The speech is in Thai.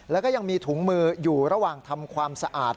แล้วก็ยังมีถุงมืออยู่ระหว่างทำความสะอาด